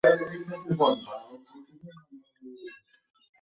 এছাড়াও, খেলোয়াড়ী জীবনের একমাত্র টেস্ট উইকেট লাভ করেছিলেন।